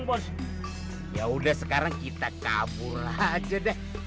bile nya pewala ini saya kita dan kartu wiju aja